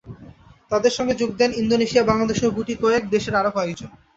তাঁদের সঙ্গে যোগ দেন ইন্দোনেশিয়া, বাংলাদেশসহ গুটি কয়েক দেশের আরও কয়েকজন।